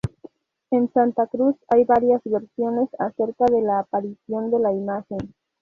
En Santa Cruz hay varias versiones acerca de la aparición de la imagen.